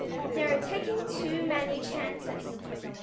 "They're taking too many chances.